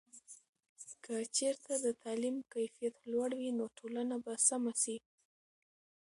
که چېرته د تعلیم کیفیت لوړ وي، نو ټولنه به سمه سي.